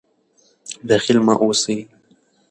بخیل مه اوسئ.